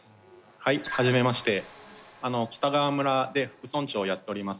はいはじめまして北川村で副村長をやっております